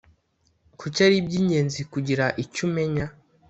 Kuki ari iby ingenzi kugira icyo umenya